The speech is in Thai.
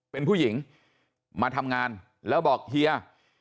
เป็นผู้หญิงมาทำงานแล้วบอกเฮีย